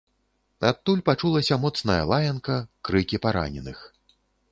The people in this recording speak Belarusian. Адтуль пачулася моцная лаянка, крыкі параненых.